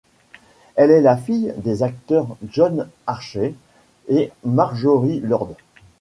Elle est la fille des acteurs John Archer et Marjorie Lord.